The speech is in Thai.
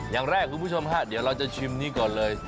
อย่างแรกคุณผู้ชมฮะเดี๋ยวเราจะชิมนี้ก่อนเลย